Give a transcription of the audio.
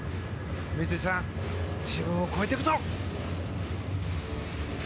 三井さん、自分を超えていくぞ！